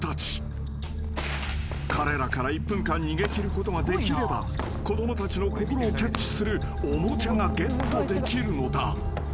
［彼らから１分間逃げ切ることができれば子供たちの心をキャッチするおもちゃがゲットできるのだ］